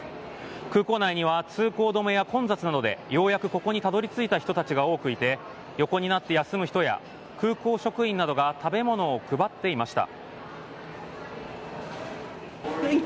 空港内には通行止めや混雑などでようやくここにたどり着いた人たちが多くいて横になって休む人や空港職員などが食べ物を配っていました。